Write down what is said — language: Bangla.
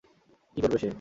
কী করবে সে?